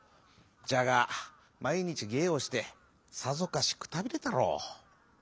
じゃがまいにちげいをしてさぞかしくたびれたろう。